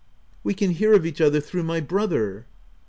w We can hear of each other through my brother."